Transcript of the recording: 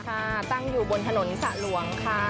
ค่ะตั้งอยู่บนถนนสระหลวงค่ะ